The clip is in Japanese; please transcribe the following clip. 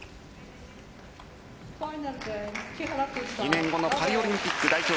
２年後のパリオリンピック代表